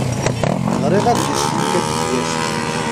Ɣriɣ adlis-nni n Kateb Yasin.